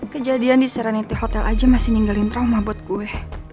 kejadian di seraniti hotel aja masih ninggalin trauma buat gue